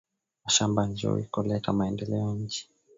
Mashamba njo iko leta maendeleo ya inchi